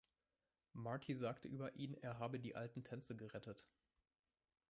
Marty sagte über ihn, er habe die alten Tänze gerettet.